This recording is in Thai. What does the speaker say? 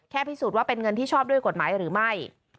พิสูจน์ว่าเป็นเงินที่ชอบด้วยกฎหมายหรือไม่